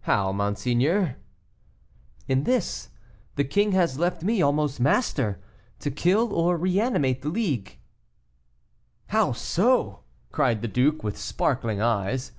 "How, monseigneur?" "In this the king has left me almost master, to kill or reanimate the League." "How so?" cried the duke, with sparkling eyes.